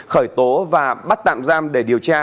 khởi tố và bắt tạm giam để điều tra